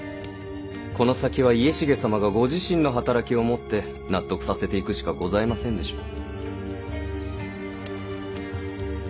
この先は家重様がご自身の働きをもって納得させていくしかございませんでしょう。